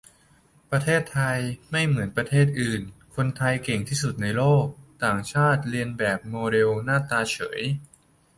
ประเทศไทยไม่เหมือนประเทศอื่น คนไทยเก่งที่สุดในโลก ต่างชาติเลียนแบบโมเดลหน้าตาเฉย